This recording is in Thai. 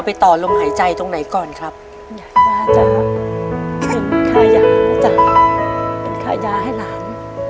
เป็นค่าย้าให้หลาน